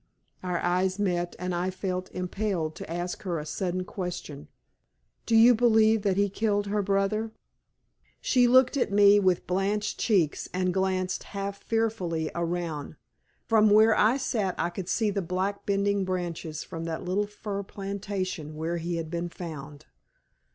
Our eyes met, and I felt impelled to ask her a sudden question. "Do you believe that he killed her brother?" She looked at me with blanched cheeks and glanced half fearfully around. From where I sat I could see the black bending branches from that little fir plantation where he had been found.